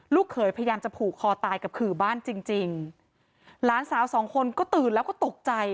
เขยพยายามจะผูกคอตายกับขื่อบ้านจริงจริงหลานสาวสองคนก็ตื่นแล้วก็ตกใจ